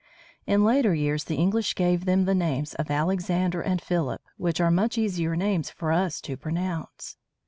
In later years, the English gave them the names of Alexander and Philip, which are much easier names for us to pronounce.